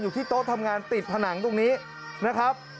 ที่โต๊ะทำงานติดผนังตรงนี้นะครับ